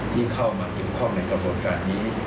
ที่เข้ามาเกี่ยวข้องในกระบวนการนี้